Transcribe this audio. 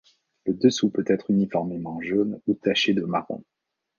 Le dessous peut être uniformément jaune ou taché de marron.